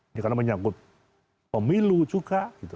ini karena menyangkut pemilu juga